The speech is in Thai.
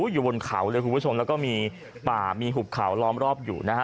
อยู่บนเขาเลยคุณผู้ชมแล้วก็มีป่ามีหุบเขาล้อมรอบอยู่นะฮะ